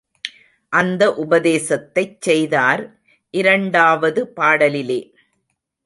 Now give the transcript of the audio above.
அந்த உபதேசத்தைச் செய்தார் இரண்டாவது பாடலிலே.